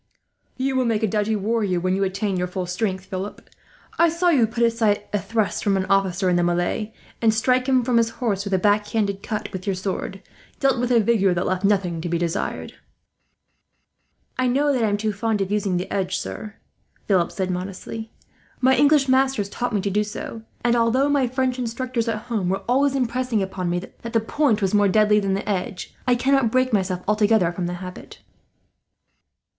"You will make a doughty warrior when you attain your full strength, Philip. I saw you put aside a thrust from an officer in the melee, and strike him from his horse with a backhanded cut with your sword, dealt with a vigour that left nothing to be desired." "I know that I am too fond of using the edge, sir," Philip said, modestly. "My English masters taught me to do so and, although my French instructors at home were always impressing upon me that the point was more deadly than the edge, I cannot break myself altogether from the habit."